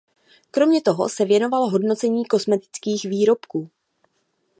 Kromě toho se věnoval hodnocení kosmetických výrobků.